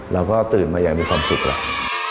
เราก็ตื่นมาอย่างมีความสุขแล้ว